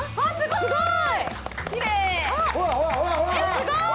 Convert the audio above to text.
すごい！